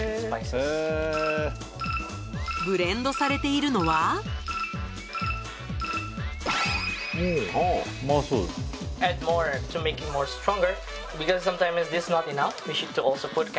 ブレンドされているのはうまそう。